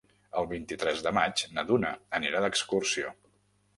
El vint-i-tres de maig na Duna anirà d'excursió.